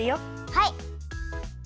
はい！